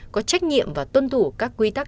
có trách nhiệm và tuân thủ các quy tắc